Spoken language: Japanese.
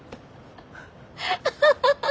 アハハハハ。